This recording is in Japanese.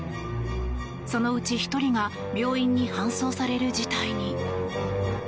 そのうち１人が病院に搬送される事態に。